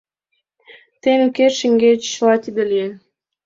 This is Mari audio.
Тыйын укет шеҥгеч чыла тиде лие.